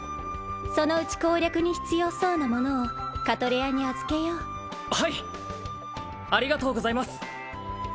そのうち攻略に必要そうな物をカトレアに預けようはいありがとうございます！